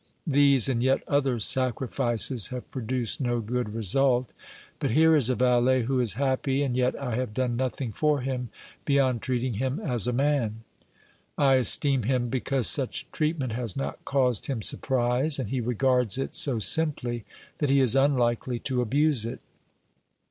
These and yet other sacrifices have produced no good result, but here is a valet who is happy, and yet I have done nothing for him beyond treating him as a man. I esteem him because such treatment has not caused him surprise, and he regards it so simply that he is unlikely to abuse it.